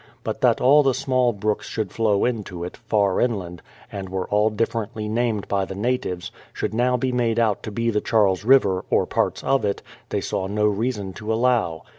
But that all the small brooks that should flow into it, far inland, and were all differently named by the natives, should now be made out to be the Charles River, or parts of it, they saw no reason to allow.